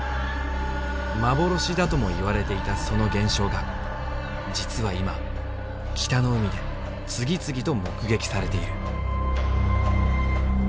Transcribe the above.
幻だとも言われていたその現象が実は今北の海で次々と目撃されている。